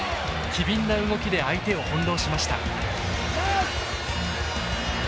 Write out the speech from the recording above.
機敏な動きで相手を翻弄しました。